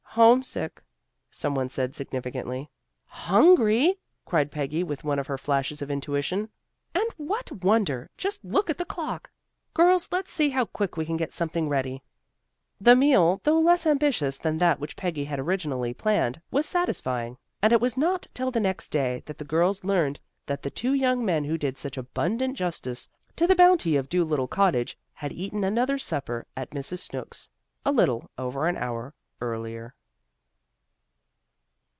"Homesick," some one said significantly. "Hungry!" cried Peggy, with one of her flashes of intuition. "And what wonder! Just look at the clock! Girls, let's see how quick we can get something ready." The meal though less ambitious than that which Peggy had originally planned, was satisfying. And it was not till the next day that the girls learned that the two young men who did such abundant justice to the bounty of Dolittle Cottage, had eaten another supper at Mrs. Snooks, a little over an hour earlier.